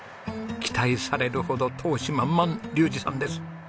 期待されるほど闘志満々竜士さんです。